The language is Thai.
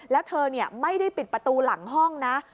แล้วเธอไม่ได้ปิดประตูหลังห้องนะ